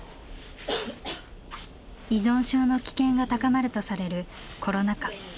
依存症の危険が高まるとされるコロナ禍。